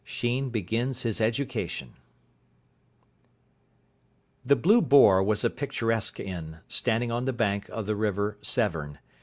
IX SHEEN BEGINS HIS EDUCATION The "Blue Boar" was a picturesque inn, standing on the bank of the river Severn.